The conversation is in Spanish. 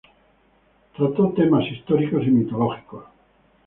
Trató temas históricos y mitológicos.